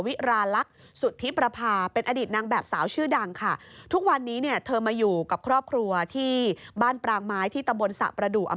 วิชวีลารักห์สุธิปราพาะ